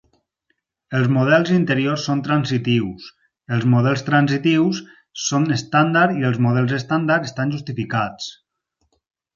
Els models interiors són transitius, els models transitius són estàndard i els models estàndard estan justificats.